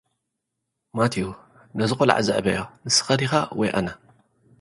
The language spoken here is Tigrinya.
ማቲው፡ ነዚ ቆልዓ ዘዕብዮ፡ ንስኻ ዲኻ ወይ ኣነ፧